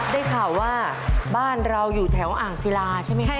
ได้ข่าวว่าบ้านเราอยู่แถวอ่างศิลาใช่ไหมคะ